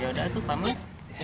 ya udah itu pamit